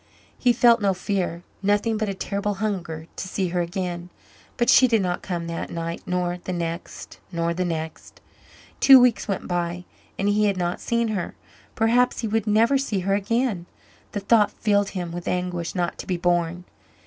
He felt no fear, nothing but a terrible hunger to see her again. But she did not come that night nor the next nor the next. Two weeks went by and he had not seen her. Perhaps he would never see her again the thought filled him with anguish not to be borne.